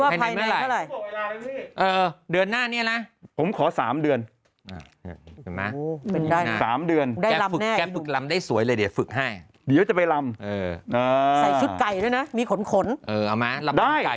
พรึกสวยเลยเดี๋ยวฝึกให้เดี๋ยวคิดว่าจะไปลำใส่ชุดไก่ด้วยนะมีขนขนเออเอามาลำได้